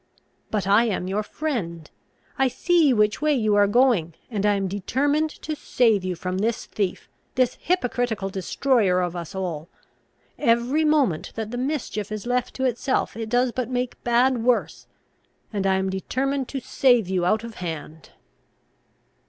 But I am your friend. I see which way you are going; and I am determined to save you from this thief, this hypocritical destroyer of us all. Every moment that the mischief is left to itself, it does but make bad worse; and I am determined to save you out of hand."